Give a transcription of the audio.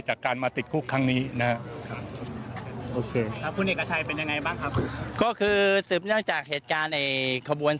จากการมาติดคุกครั้งนี้นะครับ